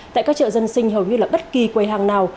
tại các chợ dân sinh hầu như là bất kỳ quầy hàng nào